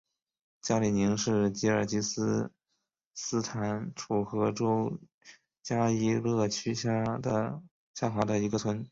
加里宁是吉尔吉斯斯坦楚河州加依勒区下辖的一个村。